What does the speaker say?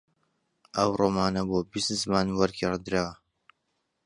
ئەو ڕۆمانە بۆ بیست زمان وەرگێڕدراوە